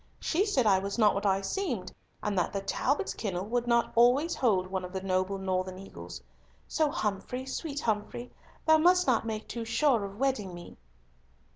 She said I was not what I seemed, and that the Talbots' kennel would not always hold one of the noble northern eagles. So Humfrey, sweet Humfrey, thou must not make too sure of wedding me."